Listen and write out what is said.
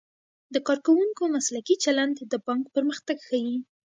د کارکوونکو مسلکي چلند د بانک پرمختګ ښيي.